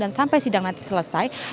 dan sampai sidang nanti selesai